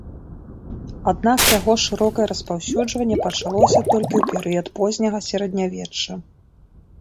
Аднак яго шырокае распаўсюджванне пачалося толькі ў перыяд позняга сярэднявечча.